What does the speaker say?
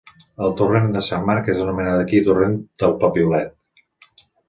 El torrent de Sant Marc és anomenat aquí torrent del Papiolet.